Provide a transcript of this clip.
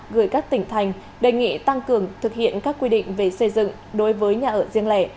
gửi các tỉnh thành đề nghị tăng cường thực hiện các quy định về xây dựng đối với nhà ở riêng lẻ